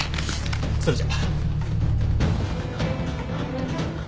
それじゃ。